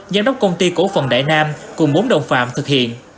giám đốc công ty cổ phần đại nam cùng bốn đồng phạm thực hiện